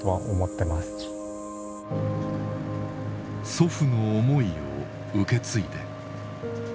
祖父の思いを受け継いで。